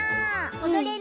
おどれる？